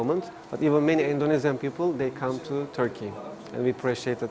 tapi banyak orang indonesia datang ke turki dan kita menghargai ini